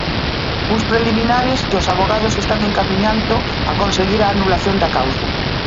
Uns preliminares que os avogados están encamiñando a conseguir a anulación da causa.